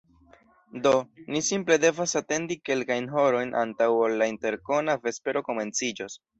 Do, ni simple devas atendi kelkajn horojn antaŭ ol la interkona vespero komenciĝos